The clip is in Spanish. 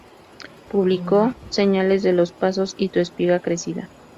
Publicó "Señales de los pasos" y "Tú espiga crecida.